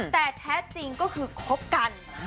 แต่แท้จริงก็คือคบกัน